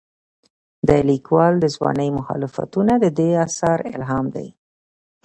د لیکوال د ځوانۍ مخالفتونه د دې اثر الهام دي.